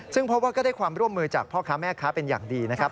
ซึ่งพบว่าก็ได้ความร่วมมือจากพ่อค้าแม่ค้าเป็นอย่างดีนะครับ